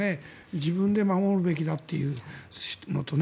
自分で守るべきだというのとね。